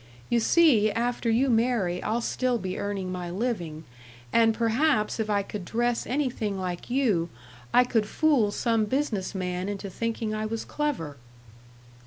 You see, after you marry I'll still be earning my living, and perhaps if I could dress anything like you I could fool some business man into thinking I was clever."